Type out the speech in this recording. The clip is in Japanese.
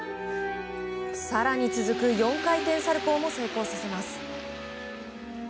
更に、続く４回転サルコウも成功させます。